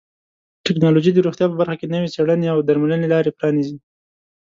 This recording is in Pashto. ټکنالوژي د روغتیا په برخه کې نوې څیړنې او درملنې لارې پرانیزي.